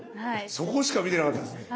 そこしか見てなかったですね。